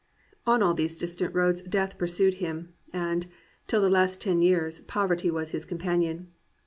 On all these distant Toads Death pursued him, and, till the last ten years, Poverty was his companion.